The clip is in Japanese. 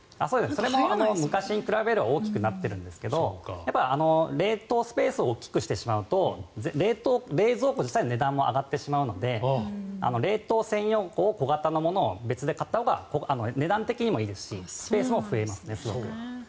それも昔に比べれば大きくなっているんですが冷凍スペースを大きくしてしまうと冷蔵庫自体の値段も上がってしまうので冷凍専用庫を小型のもの別で買ったほうが値段的にもいいですしスペースも増えますね。